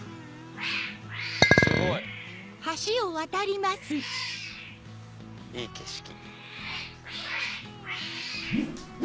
すごい！いい景色。